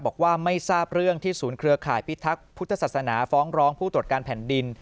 บอกว่าไม่ทราบเรื่องที่ศูนย์เครือข่ายพิทักษ์พุทธศาสนาฟ้องร้องผู้ตรวจการแผ่นดิน